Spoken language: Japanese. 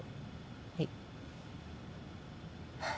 はい。